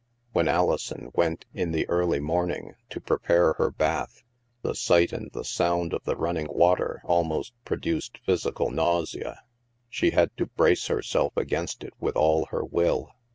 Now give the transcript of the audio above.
When Alison went, in the early morning, to pre pare her bath, the sight and the sound of the running water almost produced physical nausea. She had to brace herself against it with all her will.